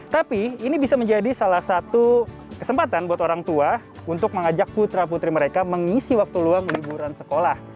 tapi ini bisa menjadi salah satu kesempatan buat orang tua untuk mengajak putra putri mereka mengisi waktu luang liburan sekolah